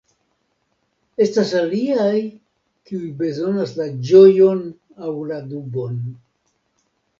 Estas aliaj, kiuj bezonas la ĝojon aŭ la dubon